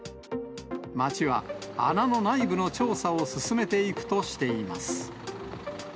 町は、穴の内部の調査を進めていくとしています。